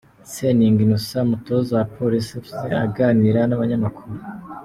Seninga Innocent umutoza wa Police Fc aganira n'abanyamakuru.